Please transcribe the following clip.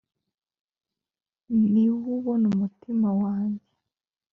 n niwe ubona umutima wanjye